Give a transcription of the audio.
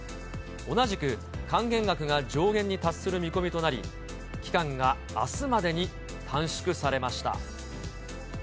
同じく還元額が上限に達する見込みとなり、期間があすまでに短縮されました。